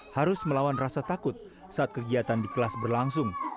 harus melawan rasa takut saat kegiatan di kelas berlangsung